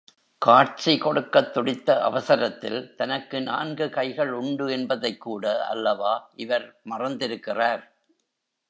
காட்சி கொடுக்கத் துடித்த அவசரத்தில் தனக்கு நான்கு கைகள் உண்டு என்பதைக்கூட அல்லவா இவர் மறந்திருக்கிறார்!